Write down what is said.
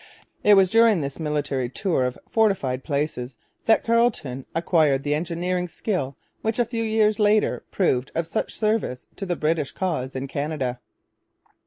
It was during this military tour of fortified places that Carleton acquired the engineering skill which a few years later proved of such service to the British cause in Canada.